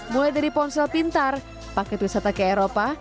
mulai dari ponsel pintar paket wisata ke eropa